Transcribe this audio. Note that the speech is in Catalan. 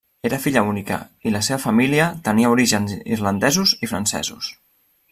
Era filla única, i la seva família tenia orígens irlandesos i francesos.